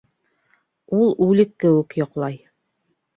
Ул үлек кеүек йоҡлай